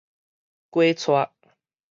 解斜